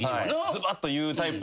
ズバッと言うタイプなんで。